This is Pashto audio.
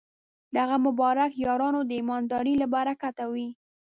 د هغه مبارک یارانو د ایماندارۍ له برکته وې.